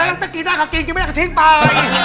อะไรงั้นแต่กินได้ก็กินกินไม่ได้ก็ทิ้งไป